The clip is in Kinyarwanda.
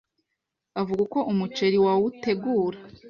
avuga uko umuceri wawutegura